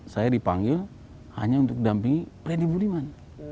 saya dipanggil hanya untuk dampingi predipuniman